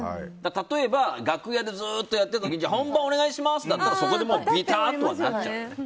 たとえば楽屋でずっとやってたら本番お願いしますってなったらびたっとなっちゃうよね。